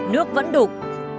nước vẫn đục